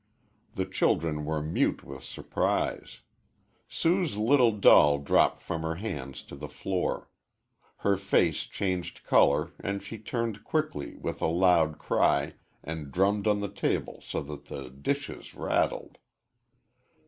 The children were mute with surprise. Sue's little doll dropped from her hands to the floor. Her face changed color and she turned quickly, with a loud cry, and drummed on the table so that the dishes rattled.